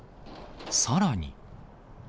さらに。